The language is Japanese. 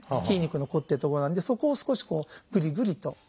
筋肉のこってるとこなんでそこを少しこうぐりぐりと。